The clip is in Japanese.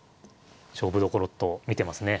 勝負どころと見てますね。